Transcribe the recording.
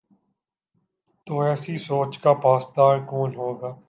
تو ایسی سوچ کا پاسدار کون ہو گا؟